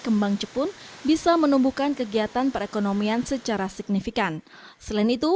kembang jepun bisa menumbuhkan kegiatan perekonomian secara signifikan selain itu